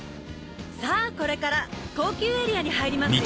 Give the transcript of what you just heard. さあこれから高級エリアに入りますよ。